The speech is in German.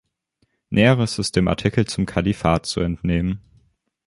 Näheres ist dem Artikel zum Kalifat zu entnehmen.